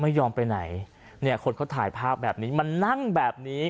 ไม่ยอมไปไหนเนี่ยคนเขาถ่ายภาพแบบนี้มานั่งแบบนี้